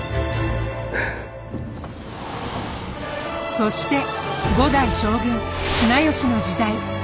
そして五代将軍綱吉の時代。